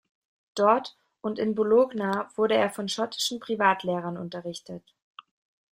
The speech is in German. Dort und in Bologna wurde er von schottischen Privatlehrern unterrichtet.